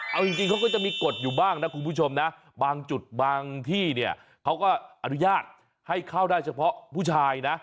เอาจริงเขาก็จะมีกฎอยู่บ้างนะคุณผู้ชมนะบางจุดบางที่เนี่ยเขาก็อนุญาตให้เข้าได้เฉพาะผู้ชายนะ